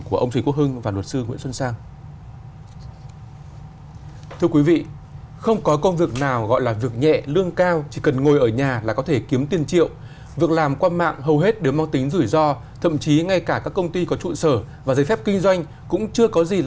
công sĩ quốc hưng và luật sư nguyễn xuân sang